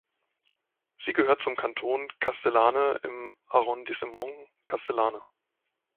Sie gehört zum Kanton Castellane im Arrondissement Castellane.